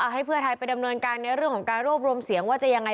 ให้เพื่อไทยไปดำเนินการในเรื่องของการรวบรวมเสียงว่าจะยังไง